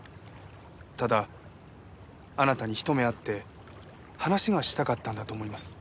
ただあなたにひと目会って話がしたかったんだと思います。